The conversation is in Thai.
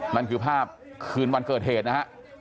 นั่นคือภาพคืนวันเกิดเหตุนะฮะ